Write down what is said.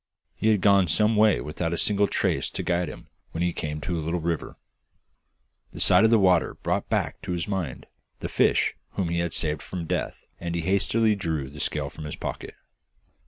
He had gone some way without a single trace to guide him, when he came to a little river. The sight of the water brought back to his mind the fish whom he had saved from death, and he hastily drew the scale from his pocket.